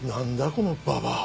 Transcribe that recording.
このババア。